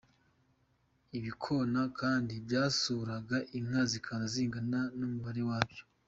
Ibikona kandi byasuraga inka zikaza zingana n’umubare wabyo.